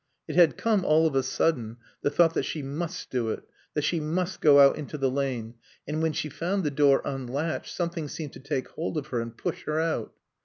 It had come all of a sudden, the thought that she must do it, that she must go out into the lane; and when she found the door unlatched, something seemed to take hold of her and push her out.